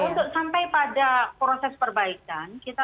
untuk sampai pada proses perbaikan